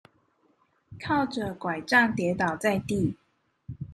靠著柺杖跌倒在地